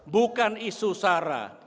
bukan isu sarah